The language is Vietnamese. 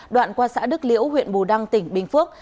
đoạn qua xã đức liễu huyện bù đăng tỉnh bình phước